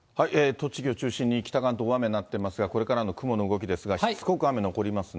栃木を中心に北関東、大雨になっていますが、これからの雲の動きですが、しつこく雨残りますね。